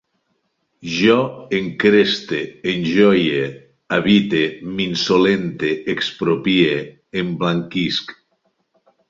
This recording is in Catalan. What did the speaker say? Jo encreste, enjoie, habite, m'insolente, expropie, emblanquisc